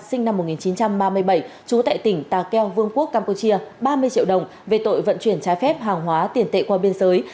sinh năm một nghìn chín trăm ba mươi bảy trú tại tỉnh ta keo vương quốc campuchia ba mươi triệu đồng về tội vận chuyển trái phép hàng hóa tiền tệ qua biên giới